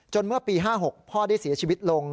เมื่อปี๕๖พ่อได้เสียชีวิตลง